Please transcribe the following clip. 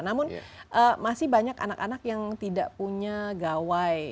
namun masih banyak anak anak yang tidak punya gawai